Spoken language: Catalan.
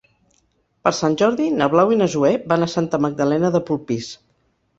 Per Sant Jordi na Blau i na Zoè van a Santa Magdalena de Polpís.